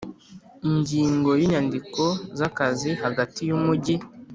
Ingingo ya inyandiko z akazi hagati y umujyi